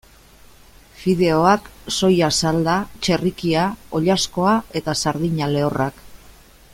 Fideoak, soia salda, txerrikia, oilaskoa eta sardina lehorrak.